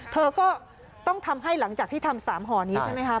เธอก็ต้องทำให้หลังจากที่ทำ๓ห่อนี้ใช่ไหมคะ